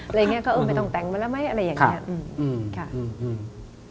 อะไรเนี่ยก็ไปต้องแต่งมาแล้วไม่อะไรอย่างงี้